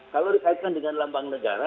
kalau dikaitkan dengan lambang negara